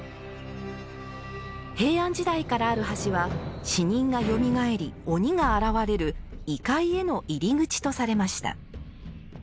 平安時代からある橋は死人がよみがえり、鬼が現れる異界への入口とされました。